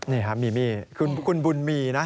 นี่ครับมีมี่คุณบุญมีนะ